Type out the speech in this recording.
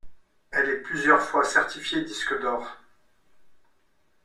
Elle est plusieurs fois certifiée disque d'Or.